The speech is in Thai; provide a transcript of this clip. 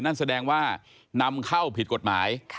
นั่นแสดงว่านำเข้าผิดกฎหมาย